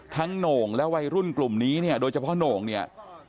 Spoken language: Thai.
ทั้งโหน่งและวัยรุ่นกลุ่มนี้โดยเฉพาะโหน่ง